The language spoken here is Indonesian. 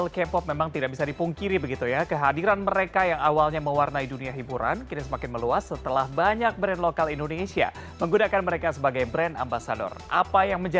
kepopuleran idol k pop